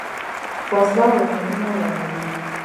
وسله وطنونه ورانوي